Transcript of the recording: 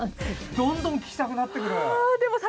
どんどん聞きたくなってくる！